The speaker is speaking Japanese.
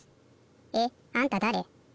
えっあんただれ？